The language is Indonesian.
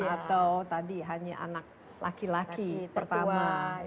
atau tadi hanya anak laki laki pertama